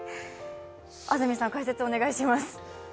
安住さん、解説お願いします。